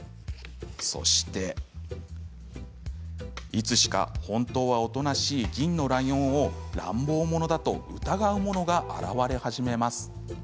そして、いつしか本当はおとなしい銀のライオンを乱暴者だと疑う者が現れ始めます。